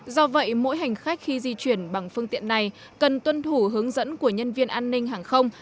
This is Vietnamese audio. do vậy mỗi hành khách khi di chuyển bằng phương tiện này cần tuân thủ hướng dẫn của nhân viên an ninh hàng không